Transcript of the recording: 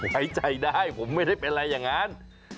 ไว้ใจได้ผมไม่ได้เป็นอะไรอย่างนั้น